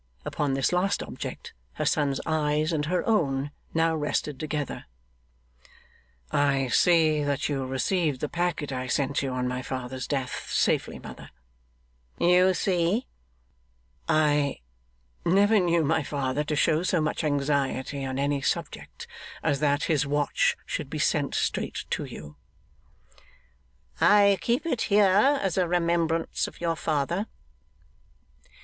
Upon this last object her son's eyes and her own now rested together. 'I see that you received the packet I sent you on my father's death, safely, mother.' 'You see.' 'I never knew my father to show so much anxiety on any subject, as that his watch should be sent straight to you.' 'I keep it here as a remembrance of your father.